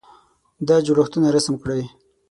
دا جوړښتونه رسم کړئ.